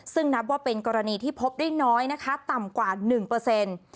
ซึ่งนับว่าเป็นกรณีที่พบได้น้อยนะคะต่ำกว่าหนึ่งเปอร์เซ็นต์